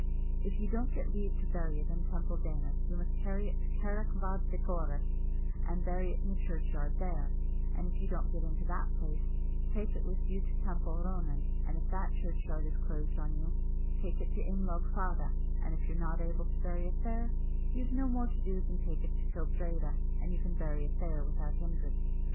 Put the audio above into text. If you don't get leave to bury it in Teampoll Démus, you must carry it to Carrick fhad vic Orus, and bury it in the churchyard there; and if you don't get it into that place, take it with you to Teampoll Ronan; and if that churchyard is closed on you, take it to Imlogue Fada; and if you're not able to bury it there, you've no more to do than to take it to Kill Breedya, and you can bury it there without hindrance.